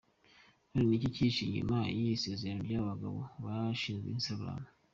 None ni iki cyihishe inyuma y'iri sezera ry'aba bagabo bashinze Instagram?.